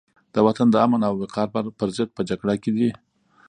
د وطن د امن او وقار پرضد په جګړه کې دي.